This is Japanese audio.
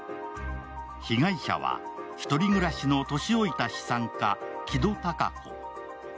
被害者は１人暮らしの年老いた資産家・木戸タカ子。